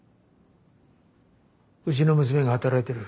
うちの娘が働いてる。